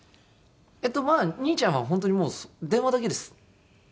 えっと兄ちゃんは本当にもう電話だけです。